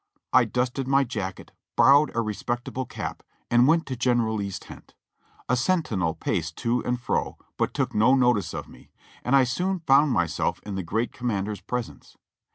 I dusted my jacket, borrowed a respectable cap, and went to General Lee's tent ; a sentinel paced to and fro, but took no notice of me, and I soon found myself in the great commander's pres ence.